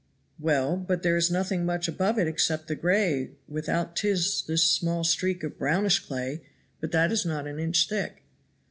"Well, but there is nothing much above it except the gray, without 'tis this small streak of brownish clay; but that is not an inch thick."